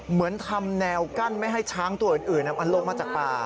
เหมือนทำแนวกั้นไม่ให้ช้างตัวอื่นมันลงมาจากป่า